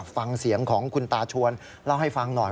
ฟังเสียงของคุณตาชวนเล่าให้ฟังหน่อย